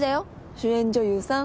主演女優さん。